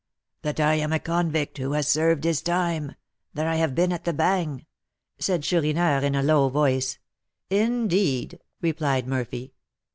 "That I am a convict, who has served his time, that I have been at the Bagne," said Chourineur, in a low voice. "Indeed!" replied Murphy.